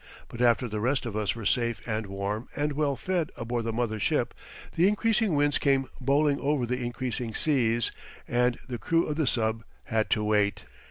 But after the rest of us were safe and warm and well fed aboard the mother ship, the increasing winds came bowling over the increasing seas, and the crew of the sub had to wait.